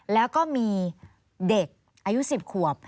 แล้วก็มีเด็กอายุ๑๐ขวบ